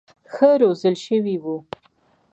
ښه روزل شوي وو.